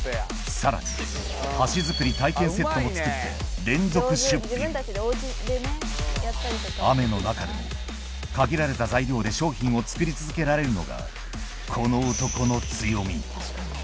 さらに箸作り体験セットも作って連続出品雨の中でも限られた材料で商品を作り続けられるのがこの男の強み